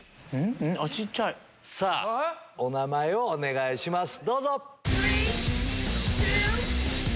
さぁお名前をお願いしますどうぞ。